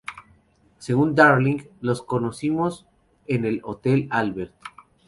Según Darling: "Los conocimos en el Hotel Albert.